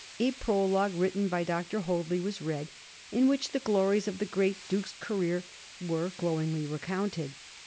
A prologue, written by Dr. Hoadly, was read, in which the glories of the great Duke's career were glowingly recounted.